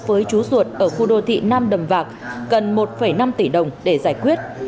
với chú ruột ở khu đô thị nam đầm vạc cần một năm tỷ đồng để giải quyết